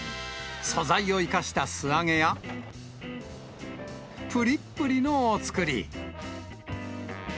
素材を生かした素揚げや、ぷりっぷりのお造り。